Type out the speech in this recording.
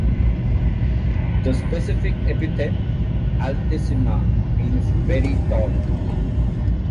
The specific epithet ("altissima") means "very tall".